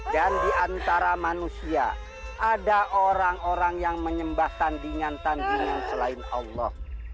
dan di antara manusia ada orang orang yang menyembah tandingan tandingan selain allah